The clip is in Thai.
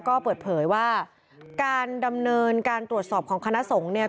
ก็เปิดเผยว่าการดำเนินการตรวจสอบของคณะสงฆ์เนี่ย